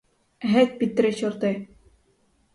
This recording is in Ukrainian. Геть під три чорти!